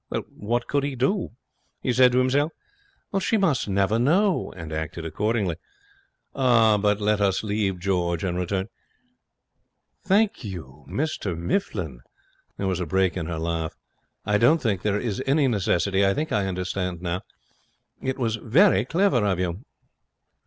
What could he do? He said to himself, "She must never know!" and acted accordingly. But let us leave George, and return ' 'Thank you, Mr Mifflin.' There was a break in her laugh. 'I don't think there is any necessity. I think I understand now. It was very clever of you.'